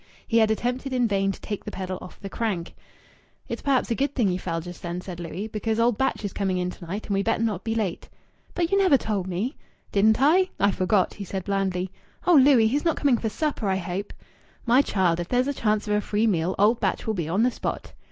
He had attempted in vain to take the pedal off the crank. "It's perhaps a good thing you fell just then," said Louis. "Because old Batch is coming in to night, and we'd better not be late." "But you never told me!" "Didn't I? I forgot," he said blandly. "Oh, Louis!... He's not coming for supper, I hope?" "My child, if there's a chance of a free meal, old Batch will be on the spot."